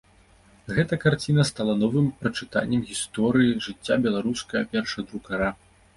Гэта карціна стала новым прачытаннем гісторыі жыцця беларускага першадрукара.